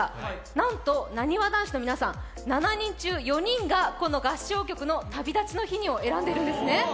なんと、なにわ男子の皆さん、７人中４人がこの合唱曲の「旅立ちの日に」を選んでいるんです。